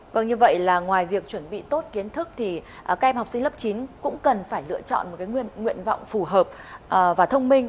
vâng như vậy là ngoài việc chuẩn bị tốt kiến thức thì các em học sinh lớp chín cũng cần phải lựa chọn một cái nguyện vọng phù hợp và thông minh